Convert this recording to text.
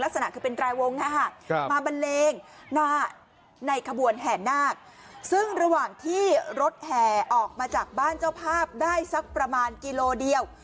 ลักษณะคือเป็นรายวงนะฮะมาบันเลงหน้าในขบวนแห่นาคซึ่งระหว่างที่รถแห่ออกมาจากบ้านเจ้าภาพได้สักประมาณกิโลเดียว